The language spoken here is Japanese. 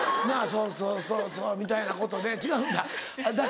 「そうそうそうそう」みたいなことで違うんだ。